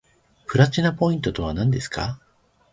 プラチナポイントとはなんですか